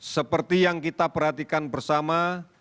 seperti yang kita perhatikan bersama